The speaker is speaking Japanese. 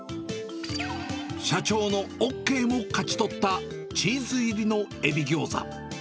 社長のＯＫも勝ち取ったチーズ入りのエビギョーザ。